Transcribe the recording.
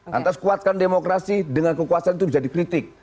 lantas kuatkan demokrasi dengan kekuasaan itu bisa dikritik